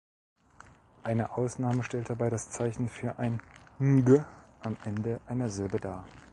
Eine Ausnahme stellt dabei das Zeichen für ein "ng" am Ende einer Silbe dar.